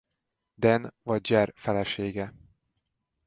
Den vagy Dzser felesége.